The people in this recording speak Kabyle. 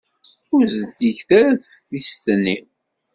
Ur zeddiget ara teftist-nni.